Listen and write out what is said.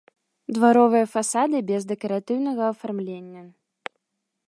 Дваровыя фасады без дэкаратыўнага афармлення.